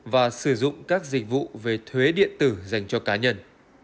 và sử dụng các dịch vụ về thuế điện tử dành cho cá nhân